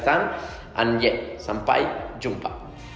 dan ya sampai jumpa